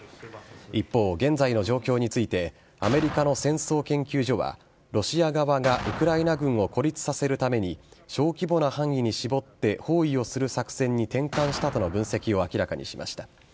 一方、現在の状況についてアメリカの戦争研究所はロシア側がウクライナ軍を孤立させるために小規模な範囲に絞って包囲をする作戦に転換したとの分析を明らかにしました。